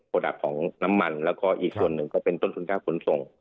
ระดับของน้ำมันแล้วก็อีกส่วนหนึ่งก็เป็นต้นทุนค่าขนส่ง